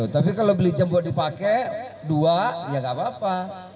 tapi kalau beli jam buat dipakai dua ya nggak apa apa